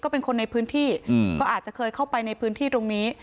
เป็นคนในพื้นที่ก็อาจจะเคยเข้าไปในพื้นที่ตรงนี้